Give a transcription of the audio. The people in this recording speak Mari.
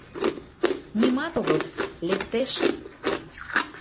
— Нимат огыл... лектеш...